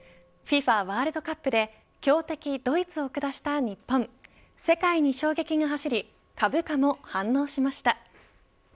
ワールドカップで強敵ドイツを下した日本世界に衝撃が走り株価も反応しました。